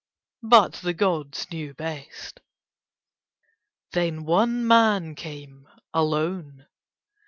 But the gods knew best. Then one man came alone.